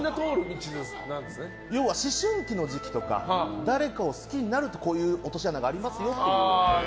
要は思春期の時期とか誰かを好きになるとこういう落とし穴がありますよっていう。